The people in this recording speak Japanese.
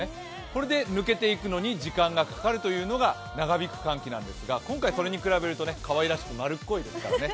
これで抜けていくのに時間がかかるというのが長引く寒気なんですが今回それに比べるとかわいらしく丸っこいですね。